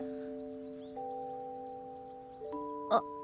あ